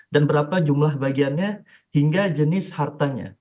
dan berapa jumlah bagiannya hingga jenis hartanya